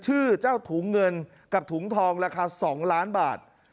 ชื่อเจ้าถุงเงินกับถุงทองราคา๒ล้านบาท